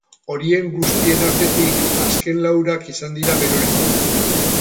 Horien guztien artetik, azken laurak izan dira beroenak.